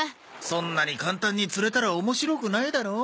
そんなに簡単に釣れたら面白くないだろ？